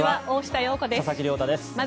大下容子です。